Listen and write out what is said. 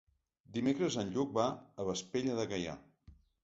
Dimecres en Lluc va a Vespella de Gaià.